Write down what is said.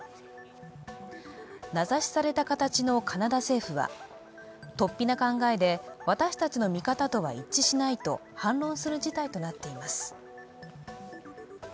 名指しされた形のカナダ政府は、とっぴな考えで私たちの見方とは一致しないと反論する事態となっています。